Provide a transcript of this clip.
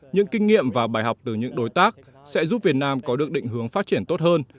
những kinh nghiệm và bài học từ những đối tác sẽ giúp việt nam có được định hướng phát triển tốt hơn